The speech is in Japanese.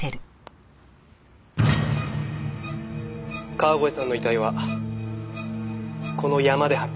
川越さんの遺体はこの山で発見された。